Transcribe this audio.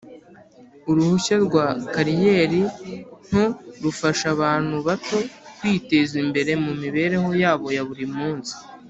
uruhushya rwa kariyeri nto rufasha abantu bato kwiteza imbere mu mibereho yabo ya buri munsi